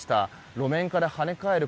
路面から跳ね返る